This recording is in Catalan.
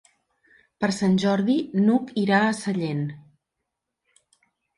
Per Sant Jordi n'Hug irà a Sallent.